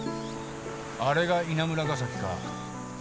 あれが稲村ヶ崎かぁ。